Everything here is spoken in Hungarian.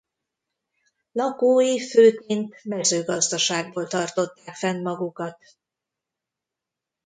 Lakói főként mezőgazdaságból tartották fenn magukat.